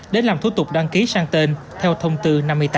để làm thủ tục đăng ký sang tên theo thông tư năm mươi tám